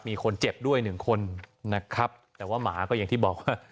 มีคนเจ็บด้วยหนึ่งคนนะครับแต่ว่าหมาก็อย่างที่บอกว่า